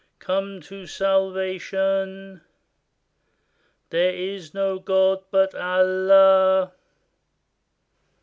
Come to salvation! There is no God but Allah!"